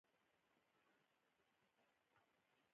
سیده کندهار ته ولاړم.